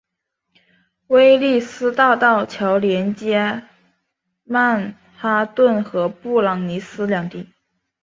威利斯大道桥连接曼哈顿和布朗克斯两地。